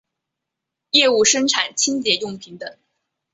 业务生产清洁用品等。